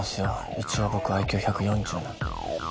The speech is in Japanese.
一応僕ＩＱ１４０なんで。